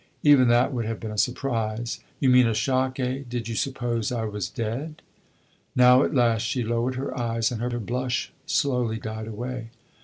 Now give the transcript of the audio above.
"Even that would have been a surprise." "You mean a shock, eh? Did you suppose I was dead?" Now, at last, she lowered her eyes, and her blush slowly died away.